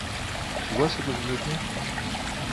Tu vois ce que je veux dire?